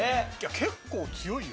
結構強いよ。